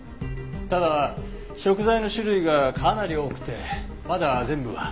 ただ食材の種類がかなり多くてまだ全部は。